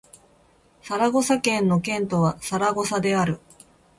サラゴサ県の県都はサラゴサである